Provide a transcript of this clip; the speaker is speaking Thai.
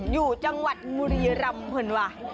อยู่จังหวัดบุรีรำเผินว่ะ